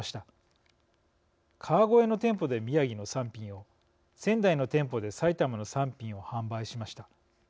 川越の店舗で宮城の産品を仙台の店舗で埼玉の産品を販売しました。